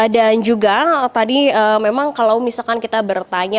dan juga tadi memang kalau misalkan kita bertanya